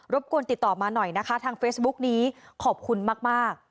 บกวนติดต่อมาหน่อยนะคะทางเฟซบุ๊กนี้ขอบคุณมาก